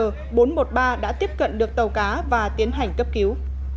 đến đêm ngày hai mươi bốn tháng sáu tàu sar bốn trăm một mươi ba đã tiếp cận được tàu cá và tiến hành cấp cứu